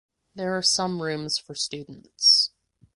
There are some rooms for students.